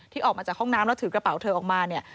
ออกมาจากห้องน้ำแล้วถือกระเป๋าเธอออกมาเนี่ย